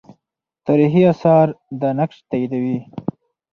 تاریخي آثار دا نقش تاییدوي.